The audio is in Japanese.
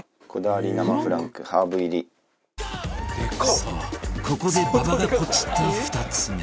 そうここで馬場がポチった２つ目